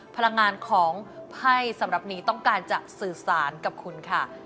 พลังงานของไพ่สำหรับนี้ต้องการจะสื่อสารกับคุณค่ะ